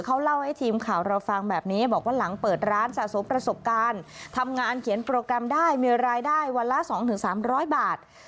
เขาเล่าให้ทีมข่าวเราฟังแบบนี้บอกว่าหลังเปิดร้านสะสมประสบการณ์ทำงานเขียนโปรแกรมได้มีรายได้วันละ๒๓๐๐บาท